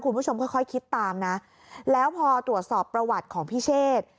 คุณผู้ชมค่อยค่อยคิดตามนะแล้วพอตรวจสอบประวัติของพิเชษ